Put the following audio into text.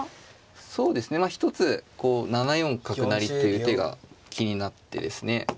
そうですね一つこう７四角成という手が気になってですね。